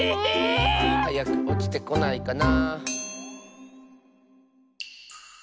はやくおちてこないかな。